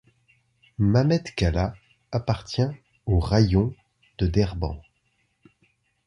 Mamedkala appartient au raïon de Derbent.